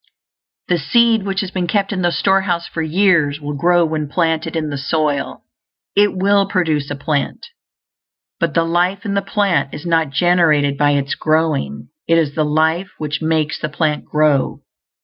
The seed which has been kept in the storehouse for years will grow when planted in the soil; it will produce a plant. But the life in the plant is not generated by its growing; it is the life which makes the plant grow.